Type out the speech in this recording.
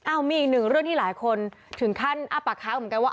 มีอีกหนึ่งเรื่องที่หลายคนถึงขั้นอ้าปากค้างเหมือนกันว่า